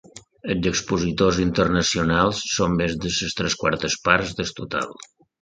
Els expositors internacionals són més de les tres quartes parts del total.